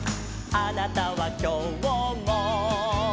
「あなたはきょうも」